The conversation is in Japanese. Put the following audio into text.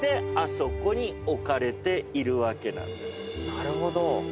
なるほど。